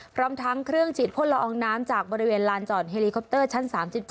พร้อมทั้งเครื่องฉีดพ่นละอองน้ำจากบริเวณลานจอดเฮลิคอปเตอร์ชั้น๓๗